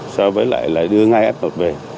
so với lại là đưa ngay f một về